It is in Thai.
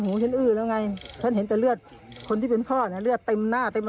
อืม